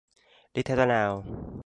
Đi theo ta nào